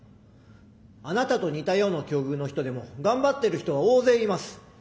あなたと似たような境遇の人でも頑張ってる人は大勢います。